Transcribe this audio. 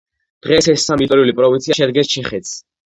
დღს ეს სამი ისტორიული პროვინცია შეადგენს ჩეხეთს.